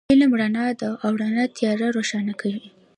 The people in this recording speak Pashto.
علم رڼا ده، او رڼا تیار روښانه کوي